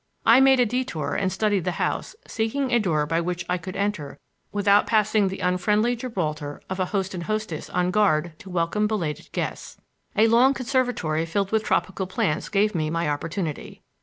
I made a detour and studied the house, seeking a door by which I could enter without passing the unfriendly Gibraltar of a host and hostess on guard to welcome belated guests. A long conservatory filled with tropical plants gave me my opportunity.